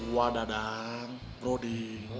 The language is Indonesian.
wah dadang brody